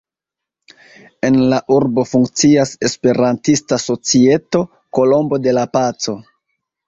En la urbo funkcias Esperantista societo "Kolombo de la paco".